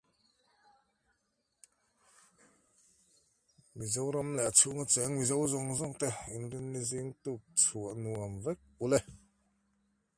The algorithm is named after Michael Purser.